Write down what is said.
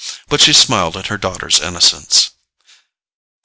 But she smiled at her daughter's innocence.